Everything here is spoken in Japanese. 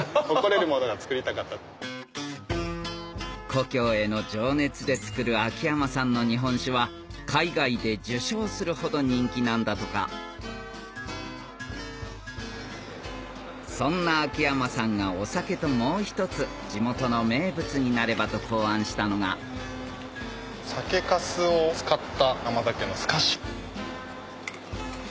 故郷への情熱で造る秋山さんの日本酒は海外で受賞するほど人気なんだとかそんな秋山さんがお酒ともう一つ地元の名物になればと考案したのがんっ！